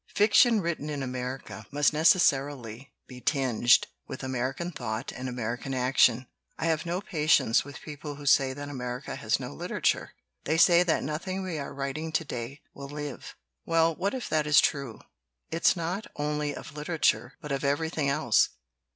"Fiction written in America must necessarily be tinged with American thought and American action. I have no patience with people who say 5 65 LITERATURE IN THE MAKING that America has no literature. They say that nothing we are writing to day will live. Well, what if that is true? It's true not only of litera ture, but of everything else.